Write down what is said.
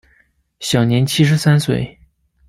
享年七十三岁。